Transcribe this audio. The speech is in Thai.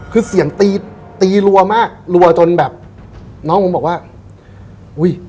คือเสียงตีตีรัวมากรัวจนแบบน้องผมบอกว่าอุ้ย